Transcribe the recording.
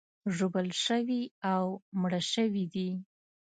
ژوبل شوي او مړه شوي دي.